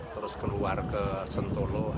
terus keluar ke sentolo